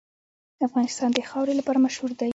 افغانستان د خاوره لپاره مشهور دی.